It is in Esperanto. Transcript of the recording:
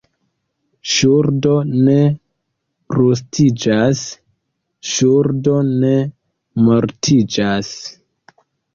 Ŝuldo ne rustiĝas, ŝuldo ne mortiĝas.